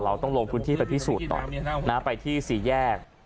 เราต้องลงพื้นที่ไปพิสูจน์หน่อยนะไปที่สี่แยก